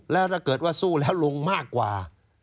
แล้วถ้าเกิดว่าสู้แล้วลงมากกว่า